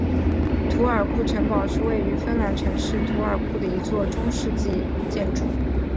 图尔库城堡是位于芬兰城市图尔库的一座中世纪建筑。